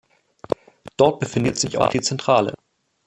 Dort befindet sich auch die Zentrale.